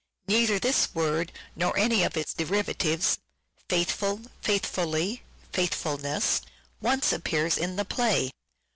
Neither this word, nor any one of its derivatives, " faithful," " faithfully," " faithfulness," once appears in the play.